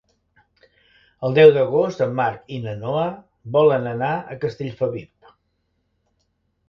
El deu d'agost en Marc i na Noa volen anar a Castellfabib.